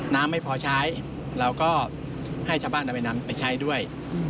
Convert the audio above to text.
น้ำไม่พอใช้เราก็ให้ชาวบ้านเอาไปนำไปใช้ด้วย